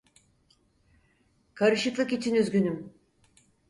Karışıklık için üzgünüm.